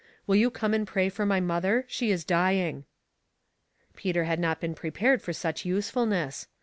Will you come and pray for my mother? She is dying." Peter had not been prepared for such useful ness.